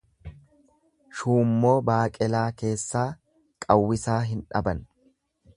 Shuummoo baaqelaa keessaa qawwisaa hin dhaban.